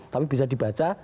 tapi bisa dibaca